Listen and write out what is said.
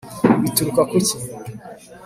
bituruka ku ki